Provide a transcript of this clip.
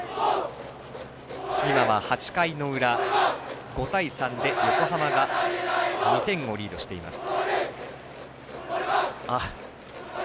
今は８回の裏、５対３で横浜が２点をリードしています。